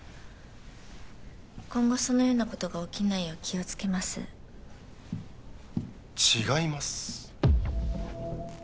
今後そのようなことが起きないよう気をつけます違います